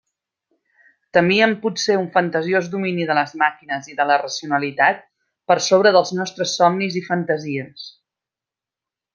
Temíem potser un fantasiós domini de les màquines i de la racionalitat per sobre dels nostres somnis i fantasies.